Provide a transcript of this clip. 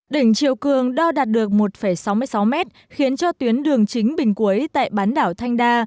đỉnh chiều cường đo đạt được một sáu mươi sáu mét khiến cho tuyến đường chính bình cuối tại bán đảo thanh đa